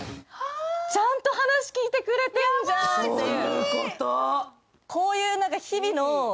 ちゃんと話聞いてくれてんじゃん！っていう。